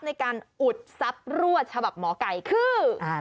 ในการอุดทรัพย์รั่วฉบับหมอไก่คือ